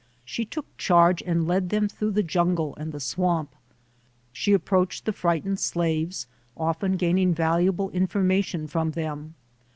She took charge and led them through the jungle and the swamp. She ap proached the frightened slaves, often gaining valuable information from them.